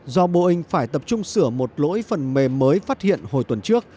do boeing phải tập trung sửa một lỗi phần mềm mới phát hiện hồi tuần trước